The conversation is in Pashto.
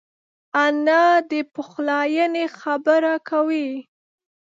انا د پخلاینې خبره کوي